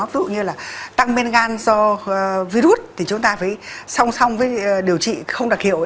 ví dụ như là tăng men gan do virus thì chúng ta phải song song với điều trị không đặc hiệu